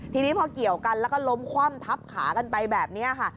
ทีนี้พอเกี่ยวกันแล้วก็ล้มคว่ำทับขากันไปแบบนี้ค่ะ